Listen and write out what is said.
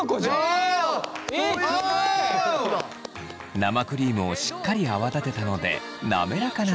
生クリームをしっかり泡立てたので滑らかな仕上がりに。